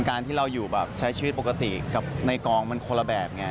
การที่เราอยู่แบบใช้ชีวิตปกติกับในกองมันคนละแบบไง